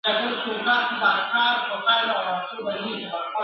تر لمسیو به دي جوړه آشیانه وي ..